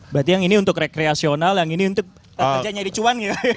berarti yang ini untuk rekreasional yang ini untuk kerja nyari cuan ya